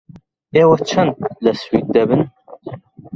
ئێوە چەند لە سوید دەبن؟